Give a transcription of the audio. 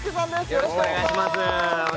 よろしくお願いします